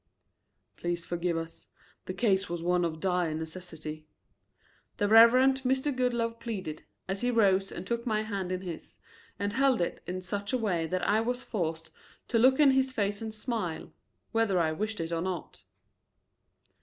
"Please forgive us. The case was one of dire necessity," the Reverend Mr. Goodloe pleaded, as he rose and took my hand in his, and held it in such a way that I was forced to look in his face and smile, whether I wished it or not.